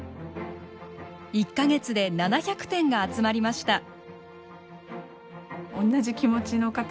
１か月で７００点が集まりました。